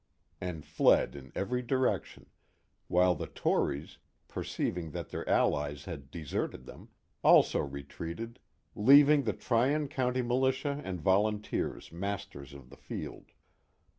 '* and fled in every direction, while the Tories, perceiving that their allies had deserted them, also retreated, leaving the Tryon County militia and volunteers masters of the field.